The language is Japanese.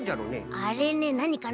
あれねなにかな？